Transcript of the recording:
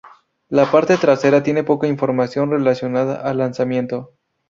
La parte trasera tiene poca información relacionada al lanzamiento.